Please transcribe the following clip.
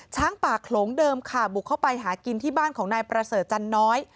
ช้างป่าโขลงเดิมค่ะบุกเข้าไปหากินที่บ้านของนายประเสริฐจันน้อย